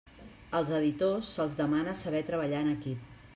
Als editors se'ls demana saber treballar en equip.